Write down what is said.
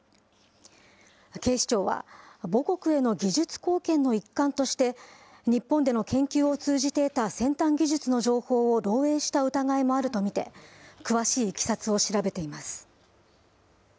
警視庁は、母国への技術貢献の一環として、日本での研究を通じて得た先端技術の情報を漏えいした疑いもあると見て、詳しいいきさつを調べています。